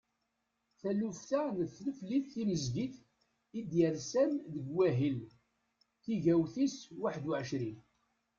Taluft-a n tneflit timezgit i d-yersen deg wahil tigawt tis waḥedd u ɛecrin.